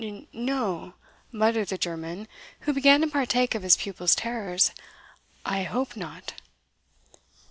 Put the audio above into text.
"N n no," muttered the German, who began to partake of his pupil's terrors, "I hope not."